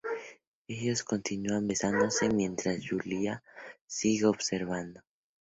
Ellos continúan besándose mientas Yulia sigue observando.